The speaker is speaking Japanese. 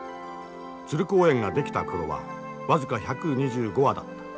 鶴公園が出来た頃は僅か１２５羽だった。